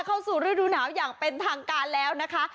เข้าสู่ฤดูหนาวอย่างเป็นทางการแล้วนะคะ